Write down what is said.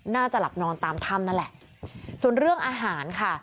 น่าจะหลับนอนตามถ้ำนั่นแหละส่วนเรื่องอาหารค่ะ